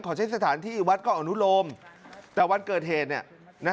ใช้สถานที่วัดก็อนุโลมแต่วันเกิดเหตุเนี่ยนะ